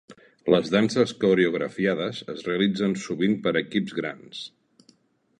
Les danses coreografiades es realitzen sovint per equips grans.